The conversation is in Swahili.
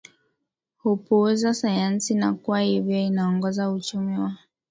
hupuuza sayansi na kwa hivyo inaongoza uchumi wa